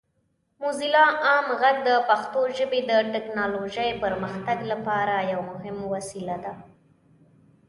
موزیلا عام غږ د پښتو ژبې د ټیکنالوجۍ پرمختګ لپاره یو مهم وسیله ده.